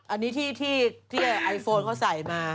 อันนี้ที่ไอโฟนเขาใส่มา